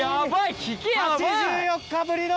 ８４日ぶりの！